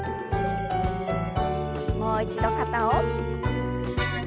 もう一度肩を。